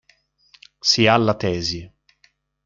Si ha la tesi.